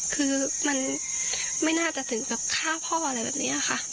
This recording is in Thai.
คือมันไม่น่าจะถึงกับฆ่าพ่ออะไรแบบนี้ค่ะ